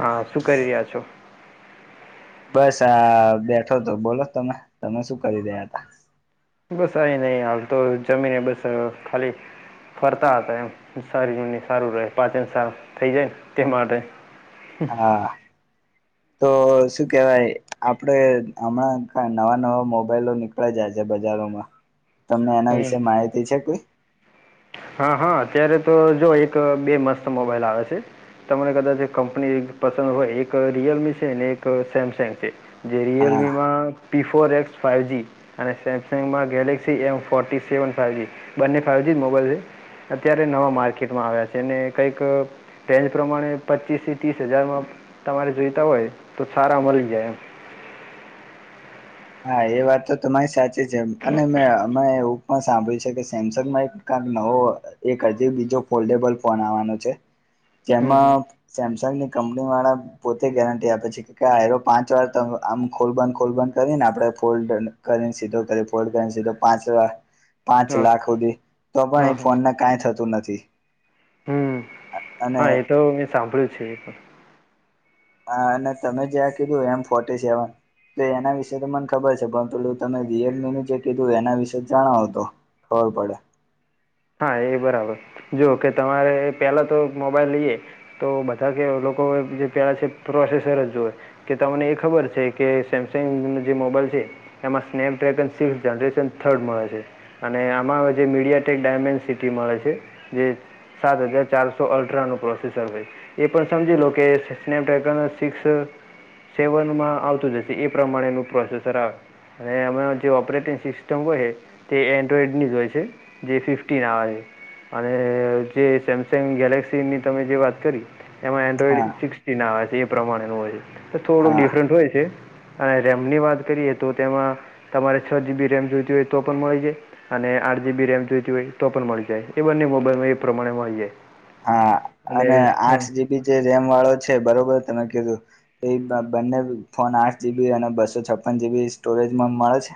હા શું કરી રહ્યા છો? બસ આ બેઠો તો બોલો તમે તમે શું કરી રહ્યા હતા? બસ આ આવી નહી હાલ તો જમીને બસ ખાલી ફરતા હતા એમ સારી જૂની સારું રહે પાચન સાર થઈ જાય ને તે માટે હા તો શું કેહેવાય આપડે હમણાં નવા નવા મોબાઈલો ની પ જાય છે બજારોમાં [inaudible] તમને એના હમ વિશે માહિતી છે કોઈ? હા હા અત્યારે તો જો એક બે મસ્ત મોબાઈલ આવે છે. તમને કદાચ કંપની પસંદ હોય એક રિયલમી છે અનેને એક સેમસંગ છે. જે હા રિયલમીમાં પી ફોર એક્સ ફાઈઇવજી અને સેમસંગમાં ગેલેક્સી એમ ફોટીનસેવન ફાઈવજીબંને ફાઈવ મો અત્યારે નવા માર્કેટમાં આવ્યા છેને કંઈક રેન્જ પ્રમાણે પચીસથી ત્રીસ હજારમાં તમારે જોઈતા હોય તો સારા મળી જાય એમ હા એ વાત તો તમારી સાચી છે અને એમાં એવું પણ સાંભળ્યું છે કે સેમસંગમાં એક કાંડ નવો એક હજી બીજો ફોલ્ડેબલ ફોન આવવાનો છે હમ હમ જેમાં સેમસંગ ની કંપની વાળા પોતે ગેરંટી આપે છે કે આયરેએપાંચ વાર આમ ખોલબન ખોલબન કરીને આપણે ફોલ્ડ કરીને સીધો ફરીફોલ્ડ કરીને સીધો પાંચ વા પાંચ હા લાખ સુધી તો પણ હા એ હા ફોનને કાંઈ થતું નથી. હમ અને હા એ તો મે સાંભળ્યું છે એ પણ હા અને તમે જ્યાં કીધું એમ ફોટી સેવન તો એના વિશેે તો મને ખબર છે પરતુતમે રીએલમીનુંજે કીધું એના વિશે જણાવો તો. ખબરપડે હા એ બરાબર જો કે તમારે પેલા તો મોબાઈલ લઈએ તો બધા કે લોકોએ જે પહેલાં છે પ્રોસેસર જ જોઈએ. કે તમને એ ખબર છે કે સેમસંગ ન જે મોબાઈલ છે. એમાં સ્નેપડ્રેગન સિક્થ જનરેશન થર્ડ મળે છે અને આમાં જે મીડિયા ટેક ડાયમેન્ડ સિટી મળે છે જે સાત હજાર ચારસો અલ્ટ્રાનું પ્રોસેસર હોય છે. એ પણ સમજી લો કે સ્નેપડ્રેગન સિક્સ સેવનમાં આવતું જશે એ પ્રમાણેનું પ્રોસેસર આવશે. અને અમાં જે ઓપરેટિંગ સિસ્ટમ હોય છે તે એન્ડ્રોઈડની જ હોય છે. જે ફિફ્ટીન આવેછે અને જે સેમસંગ ગેલેક્સીની તમે જે વાત કરી. એમાં એન્ડ્રોઈડ હા સિકસટીનઆવે છે એ પ્રમાણેનું હોય છે તો થોડુંક હા ડિફરન્ટ હોય છે અને રેમની વાત કરીએ તો તેમાં તમારે છ જીબી રેમ જોતી હોય તો પણ મળી જાય અને આઠ જીબી રેમ જોયતી હોય તો પણ મળી જાય એ બંને મોબાઈલમાં એ પ્રમાણે મળી જાય હા અને આઠ જીબી જે રેમ વાળો છે બરોબર તમે કીધું એ બંને ફોન આઠ જીબી અને બસો છપ્પન જીબી સ્ટોરેજમાં મળે છે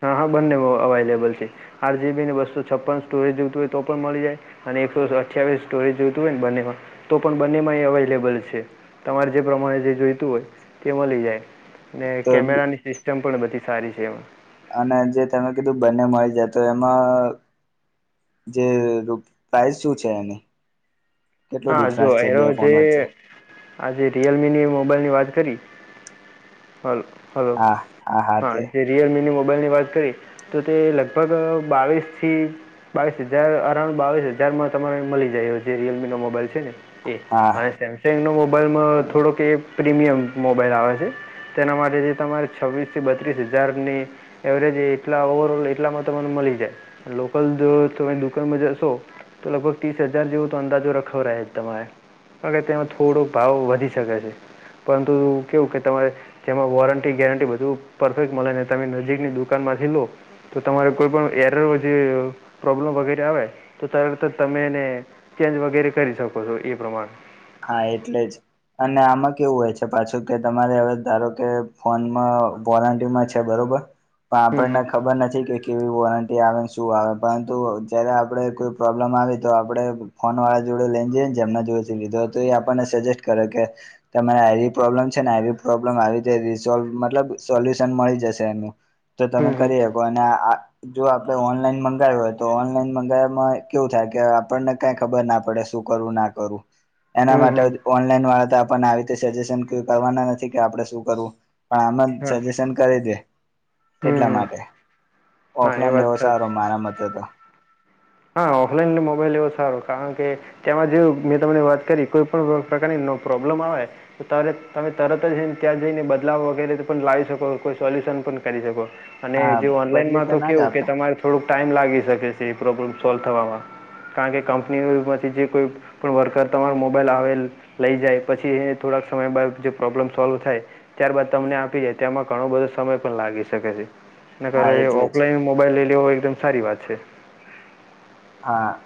હા હા બંને અવાઈલેબલ છે આઠ જીબી ને બસો છપ્પન સ્ટોરેજ જોવતી હોય તો પણ મળી જાય અને એકસો અઠ્યાવીસ સ્ટોરેજ જોતું હોય ને બંનેમાં તો પણ બંને માં એ અવેલેબલ છે તમારે જે પ્રમાણે જે જોઈતું હોય તે મળી જાય ને તો કેમેરાની સિસ્ટમ પણ બધી સારી છે એમાં અને જે તમે કીધું બંને મળી જાય તો એમાં જે પ્રાઇસ શું છે એની કેટલો હા જો ડિફરન્સ [unintelligible] છે બે ફોન વચ્ચે આજે રિયલમીની મોબાઈલ ની વાત કરી હલ હલો હા જે રિયલ મીની મોબાઈલની વાત કરીએ તો તે લગભગ બાવીસથી બાવીસ હજાર અરાઉન્ડ બાવીસ હજારમાં તમારે મળી જાય એ જે રિયલમીનો મો મોબાઈલ છે એ હા અને સેમ સેંગનો મોબાઈલમાં થોડોક એ પ્રીમિયમ મોબાઈલ આવે છે તેના માટેથી તમારે છવ્વીસ થી બત્રીસ હજારની એવરેજ એટલા ઓવર ઓલ એટલામાં તમને મળી જાય લોકલ તમે દુકાનમાં જશો તો લગભગ ત્રીસ હજાર જેવો તો અંદાજો રખવ રહે જ તમારે અને તેમાં થોડો ભાવ વધી શકે છે પરંતુ કેવું કે તમારે તેમાં વોરંટી ગેરંટી બધું પરફેક્ટ મળે ને તમે નજીકની દુકાન માંથી લો તો તમારે કોઈ પણ એરર જે પ્રોબ્લમ વગેરે આવે તો તરત જ તમે એને ચેન્જ વગેરે કરી શકો છો એ પ્રમાણે હા એટલે જ અને આમાં કેવું હોય છે પાછું કે તમારે હવે ધારો કે ફોનમાં વોરંટી માં છે બરોબર પણ આપણને હમ ખબર નથી કે કેવી વોરંટી આવે ને શું આવે પરંતુ જયારે આપડે કોઈ પ્રોબ્લેમ આવી તો આપડે ફોન વાળા જોડે લઈને જઈએ ને જે એમના જોડે સી લીધો તો એ આપણને સજેસ્ટ કરે કે તમારે આઈ પ્રોબ્લેમ છે ને આ પ્રોબ્લેમ આવી રીતે રસોલ્વ મતલબ સોલ્યુશન મળી જશે એનું તો તમે હમ હમ કરી હકો અને આ જો આપડે ઓનલાઈન મંગાવ્યું હોય તો ઓનલાઈન મંગાવવામાં કેવું થાય કે આપણને કઈ ખબર ના પડે શું કરું ના કરું એના હમ હમ માટે હમ ઓનલાઈન વાળા તો આપણને આવી રીતે સજેશન કરવાના નથી કે આપડે શું કરવું પણ આમ હા જ સજેશન કરી દે હમ એટલા હમ માટે હા એ ઓફલાઈન વાત લેવો સાચી સારો મારા મતે તો હા ઓફલાઈન મોબાઈલ લેવો સારો કારણ કે તેમાં જો મેં તમને વાત કરી કોઈ પણ પ્રકારની પ્રોબ્લેમ આવે ત તમે તરત જઈને ત્યાં જઈને બદલાવ વગેરે પણ લાવી શકો કોઈ સોલ્યુશન પણ કરી શકો અને હા હ જે બદલી ઓનલાઈનમાં તો ના જ કેવું કે આપે તમારે થોડુંક ટાઈમ લાગી શકે છે પ્રોબ્લેમ સોલ્વ થવામાં કારણ કે કંપની પછી જે કોઈ પણ વર્કર તમારા મોબાઈલ આવે લઈ જાય પછી એ થોડાક સમય બાદ જે પ્રોબ્લેમ સોલ્વ થાય ત્યારબાદ તમને આપી જાય તેમાં ઘણો બધો સમય પણ લાગી શકે છે એના હા કરતા એટલે જ ઓફલાઈન મોબાઈલ લઈ લેવો એકદમ સારી વાત છે હા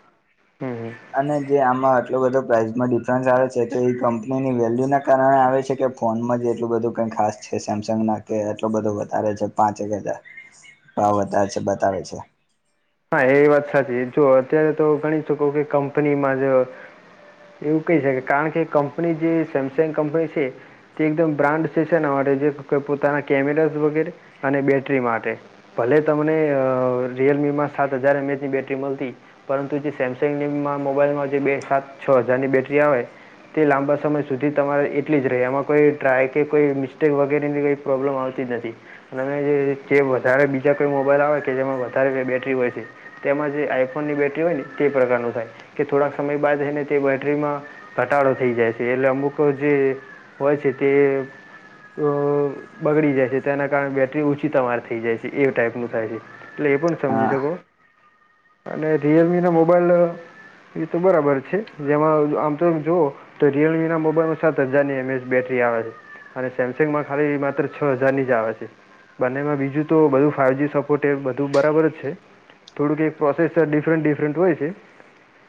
હમ હમ અને જે આમાં આટલો બધો પ્રાઇસમાં ડિફરન્સ આવે છે તે એ કંપનીની વેલ્યુના કારણે આવે છે કે ફોનમાં જ એટલું બધું કઈ ખાસ છે સેમસંગના કે એટલું બધું વધારે છે પાંચ એક હજાર ભાવ બતાવે છે બતાવે છે હા એ વાત સાચી જો અત્યારે તો ગણી શકો કે કંપનીમાં જ એવું કહી શકે કારણ કે કંપની જે સેમસંગ કંપની છે. તે એકદમ બ્રાન્ડ સેશના માટે જે પોતાના કેમેરાઝ વગેરે, અને બેટરી માટે. ભલે તમને રિયલમી માં સાત હજાર એમ એચની બેટરી મળતી. પરંતુ જે સેમસંગ મોબાઈલમાં જે બે સાત છ હજારની બેટરી આવે. તે લાંબા સમય સુધી તમારે એટલી જ રહે એમાં કોઈ ટ્રાય કે કોઈ મિસ્ટેક વગેરેની કંઈ પ્રોબ્લેમ આવતી જ નથી, અને જે વધારે બીજા કોઈ મોબાઈલ આવે કે જેમાં વધારે બેટરી વી તેમાં જે આઈફોન ની બેટરી હોય ને તે પ્રકારનું થાય. કે થોડાક સમય બાદ એને તે બેટરીમાં, ઘટાડો થઈ જાય છે એટલે અમુક જે હોય છે તે બગડી જાય છે તેના કારણે બેૅટરી ઊંચી તમામાર થઈ જાય છે એ ટાઈઇપનું થાય છે. એટલે એ પણ હા સમજી શકો. અને રિયલમી ના મોબાઈલ તો બરાબર છે જેમાં આમ તો એ જુઓ તો રિયલમી ના મોબાઈલમાં સાત હજારની એમ એચ બેટરી આવે છે. અને સેમસંગ માં ખાલી માત્ર છ હજાર ની જ આવે છે. બંનેમાં બીજું તો બધું ફાઇવ જ સપોર્ટ એ બધું બરાબર જ છે. થોડુંક એકક પ્રોસેસ ડિફરન્ટ ડિફરન્ટ હોય છે.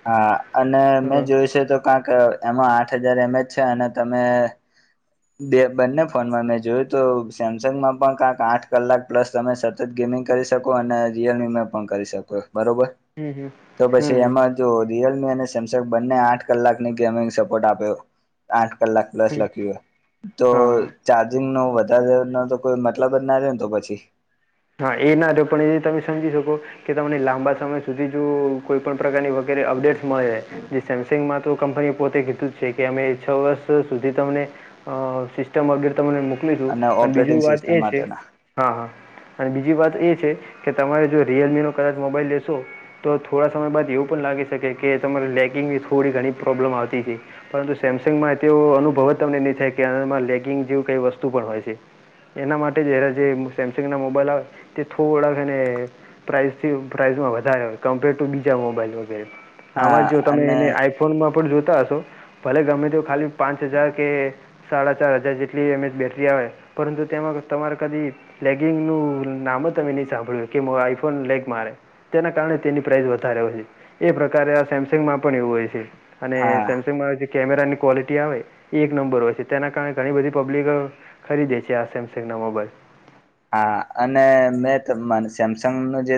હા અને મેં હા જોઈશે તો કંક એમાં આઠ હજાર એમ એજ છે અને તમે બે બંને ફોનમાં મેં જોયું તો સેમસંગમાં પણ કંક આઠ કલાક પ્લસ તમે ગેમિંગ કરી શકો અને રિયલમીમાં પણ કરી શકો બરોબર, હમ હમ તો હમ પછી હમ એમાં તો રિયલમી અને સેમસંગ બંને આઠ કલાકની ગેમિંગ સપોર્ટ આપ્યો. આઠ કલાક પ્લસ હમ લખ્યું. તો હા હા ચાર્જિંગ નો વધારે ન તો કોઈ મતલબ જ ના રહે ને તો પછી. હા એ ના હતો્યો પણ એ તમે સમજી શકો. કે તમને લાંબા સમય સુધી જો કોઈ પણ પ્રકારની વગેરે અપડેટ્સ મળે. સેમસંગમાં તો કંપનીએ પોતે કીધું જ છે કે અમે છ વર્ષ સુધી તમને અ સિસ્ટમ અપડેટ તમને મોકલીશું અને ઓપરેટિંગ બીજું વાત સિસ્ટમ એ છે માટેના હા હા. અને બીજી વાત એ છે કે, તમારે જો રિયલમી નો કદાચ મોબાઈલ લેશો. તો થોડા સમય બાદ એવું પણ લાગી શકે કે તમારે લેગિંગની થોડી ઘણી પ્રોબ્લેમ આવતી હશે. પરંતુ સેમસંગમાં તેવ અનુભવ જ તમને નહી થાય કેમાં લેગિંગ જેવી કઈ વસ્તુ પણ હોય છે. એના માટે એરા જે સેમસંગ ના મોબાઈલ આવે તે થોડાક એને પ્રિસિજે વધારેય કમ્પેર ટુ બીજા મોબાઈલ વગેરે, હા આમાં જો અને તમે ફોનમાં પન જોતા હશો ભલે ગમે તેું ખાલી પાંચ હજાર કે સાડા ચાર હજાર જેટલી એમ એજ બેટરી આવે, પરંતુ તેમાં તમારે કદી લેગિંગ નું નામ જ તમે નહી સાંભળ્યું કે આઈફોન લેગ મારે. તેના કારણે તેની પ્રાઇસ વધારે હોય છે, એ પ્રકારે આ સેમસંગમાં પણ એવું હોય છે. અને હા સેમસંગમાં જે કેમેરાની ક્વોલિટી આવે એ એક નંબર હોય છે, તેના કારણે ઘણી બધી પબ્લિક ખરીદે છે આ સેમસંગ ના મોબાઈલ. હા અને મેં સેમસંગનું જે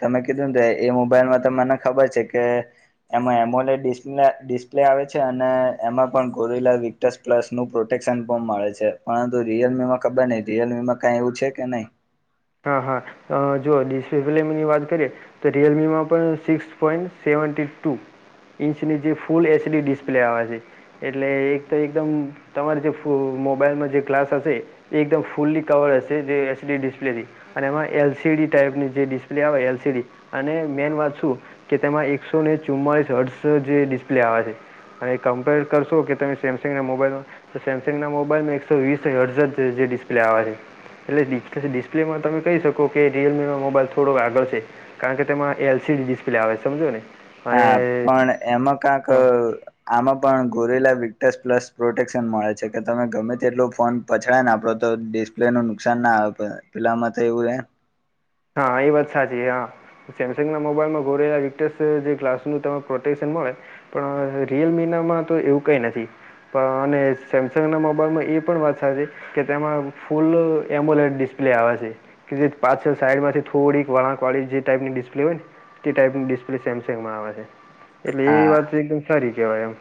તમે કીધું ને એ મોબાઈલમાં ત મને ખબર છે કે એમાં એમોલે્લે ડિસ્પ્લે આવે છે અને એમાં પણ ગોરિલા પ્લસ નું પ્રોટેક્શન ફપ મળે છે પરંતુ રિયલમી માં ખબર નહી રિયલમીમાં કઈ એવું છે કે નહીં? હા હા, જો ડિસફલેમ ની વાત કરીએ. તો રિયલમી માં પણ સિક્સ પોઈન્ટ સેવે ન ટી ટુ. ઈંચની જે ફૂલ એચડી ડિસ્પ્લે આવે છે. એટલે એક તો એકદમ તમારે જે ફ મોબાઈલમાં જે ગ્લાસ હશે. એકદમ ફુલ્લી કવર્ડ છે જે એસડી ડિસપ્લેથી. અને એમાં એલસીડી ટાઈપની જે ડિસ્પ્લે આવે એલ સી ડી, અને મેન વાત શું. કે તેમાં એકસો ને ચુમ્માળીસ હર્ટ્સ જે ડિસ્પ્લે આવે છે. અને એ કમ્પેર કરશો કે તમે સેમસંગના મોબાઈલમાં તો સેમસંગ ના મોબાઈલમાં એકસો વીસ હજ જે ડિસ્પ્લે આવેવા છે એટલે લેમાં તમે કહી શકો કે રિયલમીનો મોબાઈલ થોડો આગળ છે. કારણ કે તેમાં એલસીડી ડિસ્પ્લે આવે સમજો ને હા અને પણ એમાં કાક હા આમાં પણ ગોરેલા વિક્ટસ પ્લસ પ્રોટેક્શન મળે છે કે તમે ગમે તેટલોુ ફોન પછડાય ને આપડો તો ડિસ્પ્લે નું નુકસાન ના આવે પેલામાં તો એવું રહેે હા એ વાત સાચી હા. સેમસંગ ના મોબાઈલમાં ગોરેલા વીક્ટસ જે ગ્લાસનું તેમાં પ્રોટેક્શન મળે. પણ રિયલ મિનામાં તો એવું કઈ નથી. અને સેમસંગના મોબાઈલમાં એ પણ વાત સાચી કે તેમાં ફૂલ એમોલેટ ડિસ્પ્લે આવે છે કે જે પાછળ સાઈડમાંથી થોડીક વાળંક વાળી જે ટાઈપની ડિસ્પ્લે હોય ને તે ટાઈપની ડિસ્પ્લે સેમસંગમાં આવે છે એટલે એ હા વાત એકદમ સારી કેવાય એમ.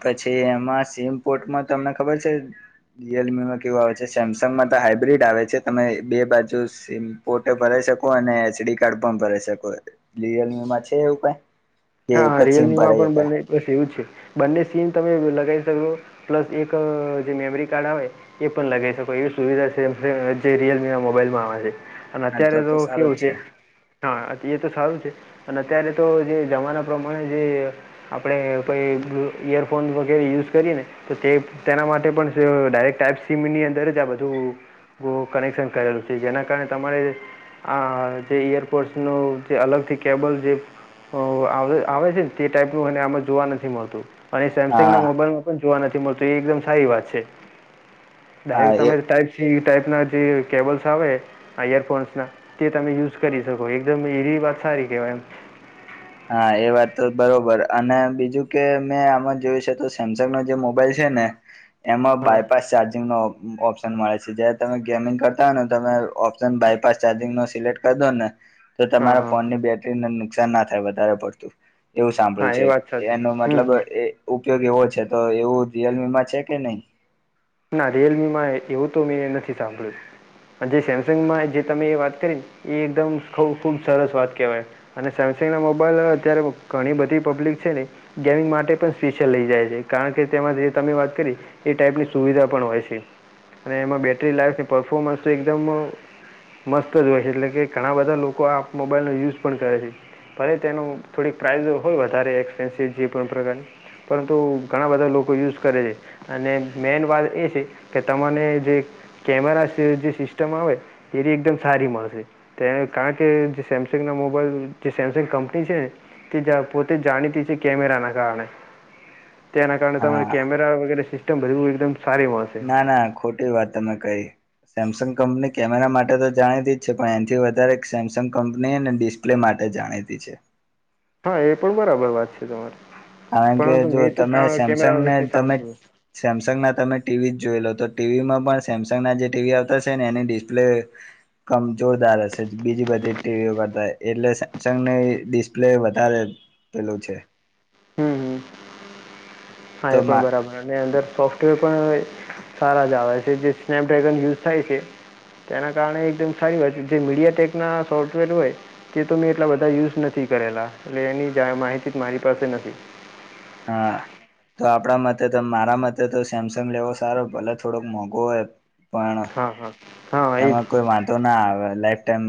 પછી એમાં સિમપોર્ટમાં તમને ખબર છે. રિયલમીમાં કેવા હોય છે સેમસંગમાં તો હાઈબ્રિડ આવે છે તમે બે બાજુ સીમ પોતે ભરો શકો અને એચડી કાર્ડ પણ ભરા શકો રિયલમીમાં છે એવું કઈ કે હા એક જ સીમ રિયલમી માં ભરાઈ પણ શકાય બને બસ એવું જ છે બંને સીન તમે લગાવી શકો. પ્લસ એક જે મેમરી કાર્ડ આવે. એ પણ લગઈ શકો એવી સુવિધા છે જે રિયલમી ના મોબાઈલમાં આવે છે. અને અત્યારે તો કેવું છે હા એ તો સારું છે અને અત્યારે તો જે જમાના એ પ્રમાણે જે આપણે કંઈ ઇયરફોન વગેરે યુઝ કરીએ ને તો તે તેના માટે પણ ડરેક્ટ ટપ સમની અંદર જ આ બધું કનેક્શન કરેલું છે જેના કારણે તમારે આ જે ઈયરપોડ્સ ન જે અલગથી કેબલ જે આવે છે ને તે ટાઈપ નુંને આમાં જોવા નથી મળતું અને એ સેમસંગ ના હા મોબાઈલ જોવા નથી મળતું એ એકદમ સારી વાત છે હા ડરેક્ટ એ તમે ટ [unintelligible] ટાઈપ ના જે કેબલ્સ આવે, યરફોન્સના તે તમે યુઝ કરી શકો એકદમ એવી વાત સારી કેહેવાય એમ, હા એ વાત તો બરોબર અને બીજું કે મેં આમાં જોયું છે તો સેમસંગ નો જે મોબાઈલ, છે ને એમાં હા બાયપાસ ચાર્જિંગ નો ઓપ્ ઓપ્ ઓપ્શન મળે છે જયારે તમે ગેમિંગ કરતા હો ને તમે ઓપ્શન બાયપાસ ચાર્જિંગો સિલેક્ટ કરી દો ને, તો હા તમારા હા ફોનની બેટરીને નુકસાન ના થાય વધારે પડતું. એવું હા સાંભળ્યું એ છે, વાત સાચી એનો હમ મતલબ હમ એ ઉપયોગ એવો છે તો એવું રિયલમી માં છે કે નહીં. ના રિયલમી માં એવું તો મેં નથી સાંભળ્યું. અને જે સેમસંગમાં જે તમે વાત કરીને એ એકદમ ખૂબ ખૂબ સરસ વાત કહેવાય. અને સેમસંગ ના મોબાઈલ અત્યારે ઘણી બધી પબ્લિક છે ને, ગેમિંગ માટે પણ સ્પેશિયલ લઈ જાય છે કારણ કે તેમાં જે તમે વાત કરી એ ટાઈપની, સુવિધા પણ હોય છે અને એમાં બેટરી લાઈફની પરફોર્મન્સ તો એકદમ, મસ્ત જ હોય છે એટલે કે ઘણા બધા લોકો આ મોબાઈલનો યુઝ પણ કરે છે. ભલે તેનું થોડીક પ્રાઇઝ હોય વધારે એક્સપેન્સિવ જે પણ પ્રકારની, પરંતુ ઘણા બધા લોકો યુઝ કરે છે અને, મેન વાત એ છે કે તમારે જે, કેમેરા જે સિસ્ટમ આવે એ એકદમ સારી મળશે. તે કારણ કે જે સેમસંગ ના મોબાઈલ જે સેમસંગ કંપની છે ને તે જ પોતે જાણીતી જ કેમેરા ના કારણે, તેના કારણે તમારે હા કેમેરા વગેરે સિસ્ટમ બધી એકદમ સારી હોત. ના ના ખોટી વાત તમે કહી. સેમસંગ કંપની કેમેરા માટે તો જાણીતી જ છે પણ એથી વધારે સેમસંગ કંપની અનેને ડિસ્પ્લે લે માટે જાણીતી છે. હા એ પણ બરાબર વાત છે તમારી. કારણ કે પરંતુ જો મેં તો તમે કા કેમેરા સેમસંગને વિશે તમે સાંભળ્યું સેમસંગના તમે ટીવી જ જોઈ લો તો ટીવીમાં પણ સેમસંગના જે ટીવી આવતા છે ને એની ડિસ્પ્લે અમ જોરદાર હશે બીજી બધી ટીવીઓ કરતા એટલે સેમસંગની ડિસ્પ્લે વધારે, આપેલું છે. હમ્મ હમ્મ તો હા એ પણ મા બરાબર. અંદર સોફ્ટવેર પણ સારા જ આવે છે જે સ્નેપડ્રેગન યુઝ થાય છે. તેના કારણે એકદમ સારી વાત જે મીડિયા ટેક ના સોફ્ટવેર હોય. કે તો મેં એટલા બધા યુઝ નથી કરેલા એટલે એની માહિતી મારી પાસે નથી. હા. તો આપણા મતે મારા મતે તો સેમસંગ લેવો સારો ભલે થોડોક મોંઘો હોય. પણ હા હા હા એ જ એમા કોય માક્ તો ના આવે લાઈફ ટાઈમ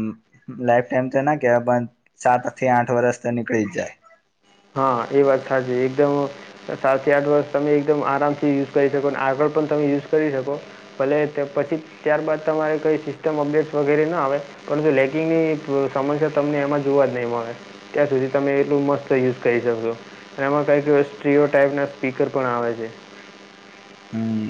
લાઈફ ટાઈમ તો ના કેવા પણ સાત થી આઠ વરસ તો નીકળી જ જાય. હા એ વાત હાચી છે એકદમ, સાતથી આઠ વર્ષ તમે એકદમ આરામથી યુઝ કરી શકો આગળ પણ તમે યુઝ કરી શકો. ભલે પછી ત્યારબાદ તમારે કઈ સિસ્ટમ અપડેટ વગેરે ના આવે. પરંતુ લેકિંગની સમસ્યા તમને એમાં જોવા જ નહીં મળે ત્યાં સુધી તમે એટલું મસ્ત ત યુઝ કરી શકશો અને એમાં કંઈકય સ્ટ્રીઓ ટાઈપના સ્પીકર પણ આવે છે. હમ